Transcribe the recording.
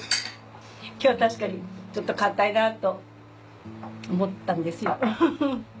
今日は確かにちょっと硬いなと思ったんですよウフフ。